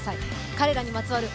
彼らにまつわる